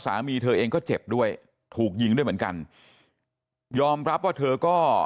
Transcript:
สามีเธอเองก็เจ็บด้วยถูกยิงด้วยเหมือนกันยอมรับว่าเธอก็